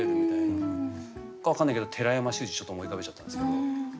分からないけど寺山修司ちょっと思い浮かべちゃったんですけど。